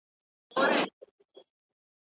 کیمیاګرې ته سرود!